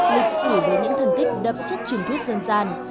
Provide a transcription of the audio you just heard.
lịch sử với những thành tích đậm chất truyền thuyết dân gian